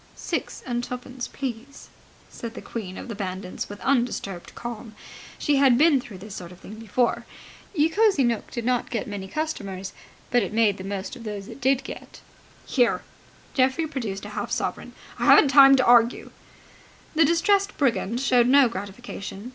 "Six and twopence, please!" said the queen of the bandits with undisturbed calm. She had been through this sort of thing before. Ye Cosy Nooke did not get many customers; but it made the most of those it did get. "Here!" Geoffrey produced a half sovereign. "I haven't time to argue!" The distressed brigand showed no gratification.